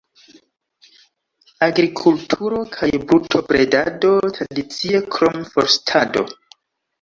Agrikulturo kaj brutobredado tradicie, krom forstado.